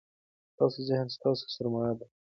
ستاسو ذهن ستاسو سرمایه ده.